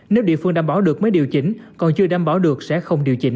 nếu địa phương đảm bảo được mới điều chỉnh còn chưa đảm bảo được sẽ không điều chỉnh